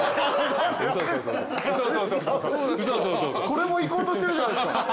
これもいこうとしてるじゃないですか。